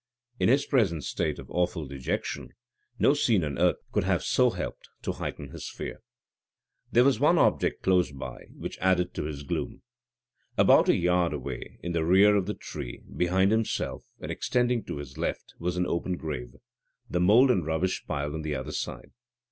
In his present state of awful dejection, no scene on earth could have so helped to heighten his fear. There was one object close by which added to his gloom. About a yard away, in rear of the tree, behind himself, and extending to his left, was an open grave, the mould and rubbish piled on the other side.